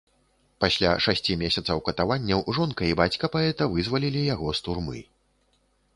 Пасля шасці месяцаў катаванняў жонка і бацька паэта вызвалілі яго з турмы.